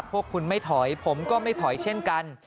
พวกคุณไม่ถอยผมก็ไม่ถอยเช่นกัน